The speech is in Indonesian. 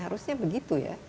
harusnya begitu ya